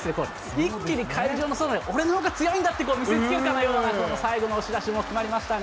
一気に会場の外へ、俺のほうが強いんだって見せつけたような、最後の押し出し決まりましたね。